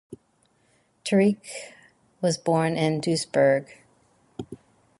Turek was born in Duisburg.